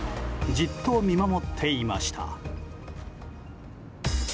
じっと見守っていました。